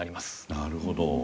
なるほど。